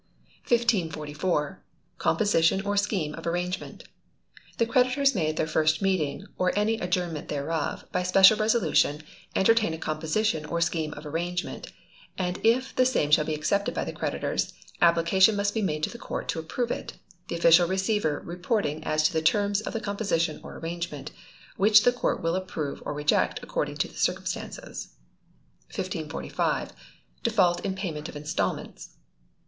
1544. Composition or Scheme of Arrangement. The creditors may at their first meeting or any adjournment thereof, by special resolution, entertain a composition or scheme of arrangement, and if the same be accepted by the creditors, application must be made to the Court to approve it, the Official Receiver reporting as to the terms of the composition or arrangement, which the Court will approve or reject according to the circumstances. 1545. Default in Payment of Instalments.